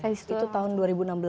itu tahun dua ribu enam belas